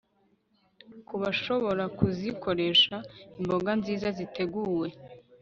Ku bashobora kuzikoresha imboga nziza ziteguwe